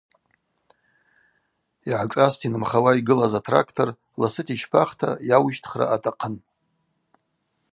Йгӏашӏаста йнымхауа йгылаз атрактор ласыта йчпахта йауищтхра атахъын.